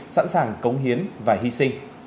sẵn sàng cống hiến và hy sinh